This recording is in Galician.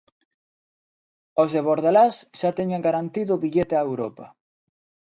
Os de Bordalás xa teñen garantido o billete a Europa.